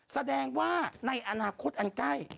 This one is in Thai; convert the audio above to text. แสดงว่าในอนาคตอันใกล้